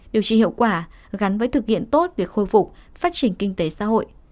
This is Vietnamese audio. điều trị hiệu quả gắn với thực hiện tốt việc khôi phục phát triển kinh tế xã hội